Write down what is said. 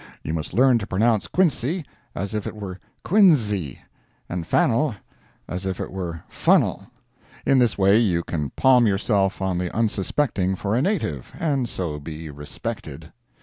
You must learn to pronounce Quincy as if it were Quinzy, and Fanueil as if it were Funnel. In this way you can palm yourself on the unsuspecting for a native, and so be respected.